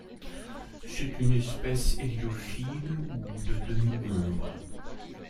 C'est une espèce héliophile ou de demi-ombre.